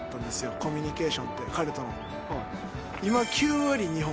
コミュニケーションって彼との。